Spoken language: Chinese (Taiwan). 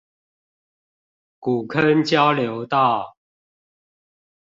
古坑交流道